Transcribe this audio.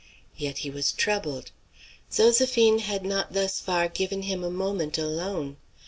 Yet he was troubled. Zoséphine had not thus far given him a moment alone.